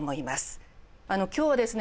今日はですね